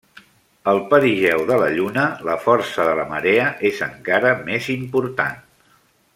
Al perigeu de la Lluna, la força de marea és encara més important.